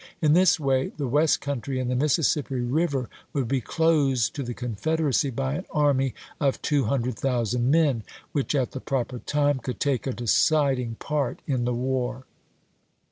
In this way the west country and the Mississippi River would be closed to the Confederacy by an army of 200,000 men, which, at the proper time, could take a deciding part in the war.